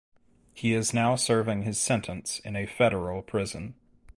He is now serving his sentence in a federal prison.